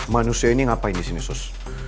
manusia ini ngapain di sini sus